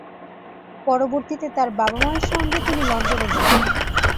পরবর্তীতে তার বাবা-মায়ের সঙ্গে তিনি লন্ডন এ যান।